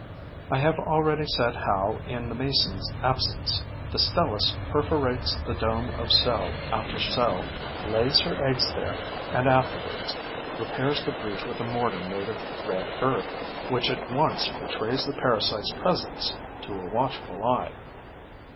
I have already said how, in the Mason's absence, the Stelis perforates the dome of cell after cell, lays her eggs there and afterwards repairs the breach with a mortar made of red earth, which at once betrays the parasite's presence to a watchful eye.